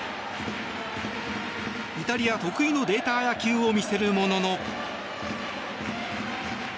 イタリア得意のデータ野球を見せるものの。